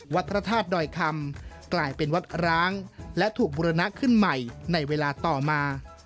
พระธาตุดอยคำกลายเป็นวัดร้างและถูกบุรณะขึ้นใหม่ในเวลาต่อมา